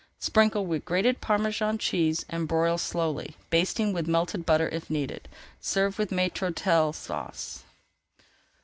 Sprinkle with grated Parmesan cheese and broil slowly, basting with melted butter if needed. Serve with Maître d'Hôtel Sauce.